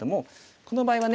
この場合はね